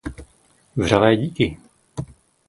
Vřelé díky.